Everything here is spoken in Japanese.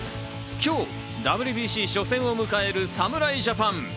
今日、ＷＢＣ初戦を迎える侍ジャパン。